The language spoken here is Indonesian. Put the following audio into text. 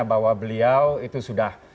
bahwa beliau itu sudah